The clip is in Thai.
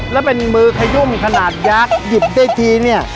และเป็นมือขยุมขนาดยากหยิบได้ทีนี่